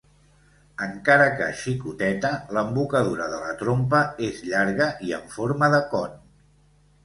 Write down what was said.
Encara que xicoteta, l'embocadura de la trompa és llarga i en forma de con.